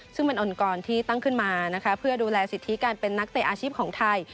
ซึ่งเป็นองค์กรที่ตั้งขึ้นมานะคะเพื่อดูแลสิทธิการเป็นนักเตะอาชีพของไทย